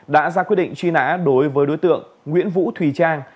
đã ra quyết định truy nã đối với đối tượng nguyễn vũ thùy trang